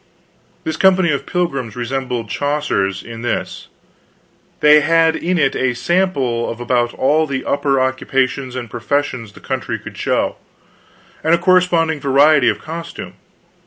This company of pilgrims resembled Chaucer's in this: that it had in it a sample of about all the upper occupations and professions the country could show, and a corresponding variety of costume.